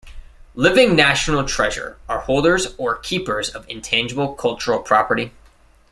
Living National Treasure are holders, or keepers of Intangible Cultural Property.